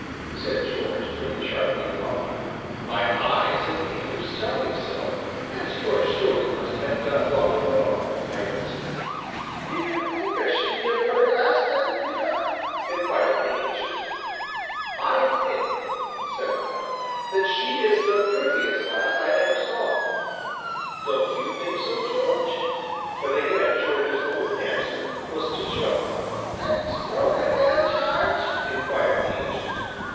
said George, turning sharply upon me. "My eyes and ears tell me so, as yours surely must have done long ago," I answered. "Ye do think as she be a purty lass, then, Peter?" inquired the Ancient. "I think," said I, "that she is the prettiest lass I ever saw; don't you think so, George?" But again George's only answer was to choke. "Smoke again, Jarge?" inquired the Ancient.